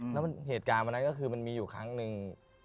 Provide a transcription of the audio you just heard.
แล้วเหตุการณ์วันนั้นก็คือมันมีอยู่ครั้งหนึ่ง